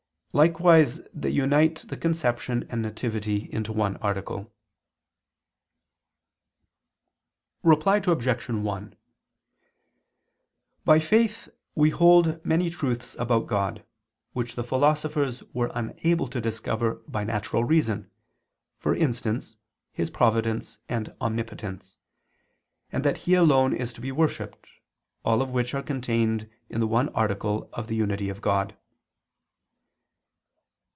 Likewise they unite the conception and nativity into one article. Reply Obj. 1: By faith we hold many truths about God, which the philosophers were unable to discover by natural reason, for instance His providence and omnipotence, and that He alone is to be worshiped, all of which are contained in the one article of the unity of God.